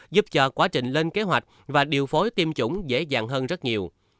giúp cho quá trình lên kế hoạch và điều phối tiêm chủng dễ dàng hơn rất nhiều